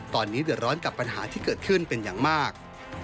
ตอนนี้เดือดร้อนกับปัญหาที่เกิดขึ้นเป็นอย่างมาก